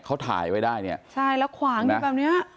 เขาถ่ายไว้ได้ใช่แล้วขวางอยู่แบบนี้